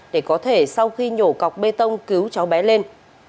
để có thể sau khi nhổ cọc bê tông cứu cháu bé lên